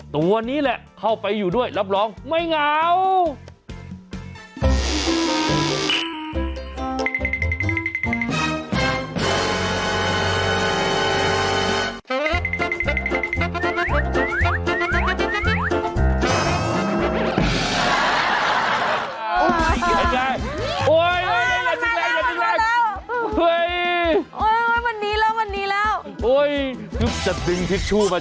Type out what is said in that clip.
ตัวนี้แหละเข้าไปอยู่ด้วยรับรองไม่เหงา